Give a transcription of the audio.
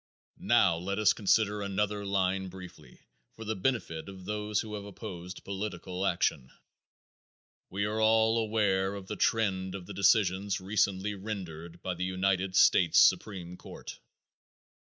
Now let us consider another line briefly for the benefit of those who have opposed political action. We are all aware of the trend of the decisions recently rendered by the United States supreme court.